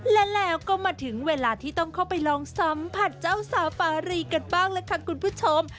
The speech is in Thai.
และแล้วก็มาถึงเวลาที่ต้องเข้าไปลองสัมผัสเจ้าสาวปารีกันบ้างล่ะค่ะคุณผู้ชม